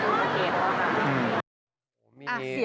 กลับไปที่สุด